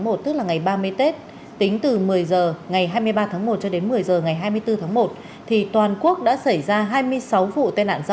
mong muốn là những bạn xem đài